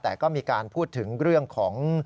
แต่ก็มีการพูดถึงเรื่องของ